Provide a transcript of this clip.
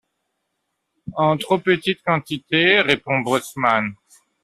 En trop petite quantité, » répond le bosseman!